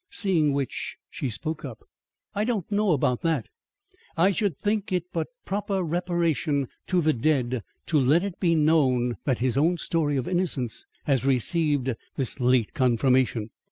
Seeing which, she spoke up: "I don't know about that, I should think it but proper reparation to the dead to let it be known that his own story of innocence has received this late confirmation."